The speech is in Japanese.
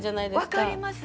分かります。